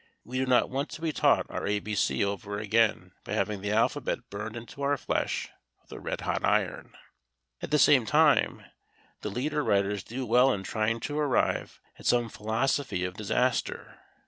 We do not want to be taught our A B C over again by having the alphabet burned into our flesh with a red hot iron. At the same time, the leader writers do well in trying to arrive at some philosophy of disaster.